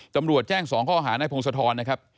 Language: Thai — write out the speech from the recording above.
ตำรวจแจ้ง๒ข้อหานายพงศธรนะครับ